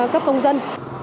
cấp công dân